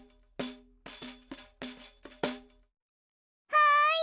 はい！